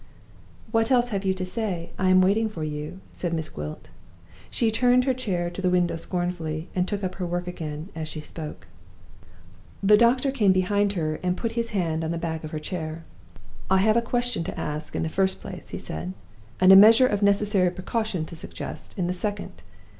"What else have you to say? I am waiting for you," said Miss Gwilt. She turned her chair to the window scornfully, and took up her work again, as she spoke. The doctor came behind her, and put his hand on the back of her chair. "I have a question to ask, in the first place," he said; "and a measure of necessary precaution to suggest, in the second.